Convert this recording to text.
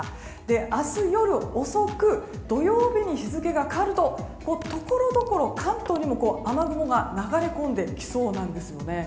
明日夜遅く土曜日に日付が変わるとところどころ、関東にも雨雲が流れ込んできそうです。